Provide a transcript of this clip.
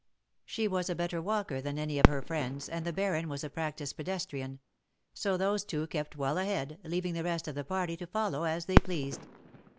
She was a better walker than any of her friends, and the Baron was a practised pedestrian ; so those two kept well ahead, leaving the rest of the party to follow as they pleased.